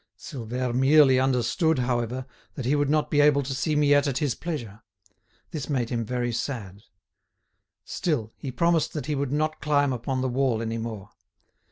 Silvère merely understood, however, that he would not be able to see Miette at his pleasure. This made him very sad. Still, he promised that he would not climb upon the wall any more.